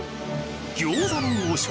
餃子の王将